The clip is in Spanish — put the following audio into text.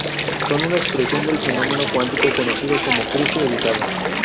Son una expresión del fenómeno cuántico conocido como cruce evitado.